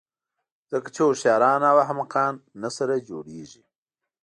ځکه چې هوښیاران او احمقان نه سره جوړېږي.